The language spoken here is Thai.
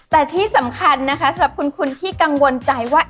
แต่ที่สำคัญนะคะสำหรับคุณที่กังวลใจว่า